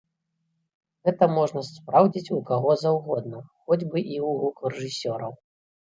Гэта можна спраўдзіць у каго заўгодна, хоць бы і ў гукарэжысёраў.